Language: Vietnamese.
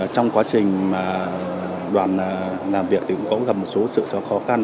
trong quá trình đoàn làm việc cũng gặp một số sự khó khăn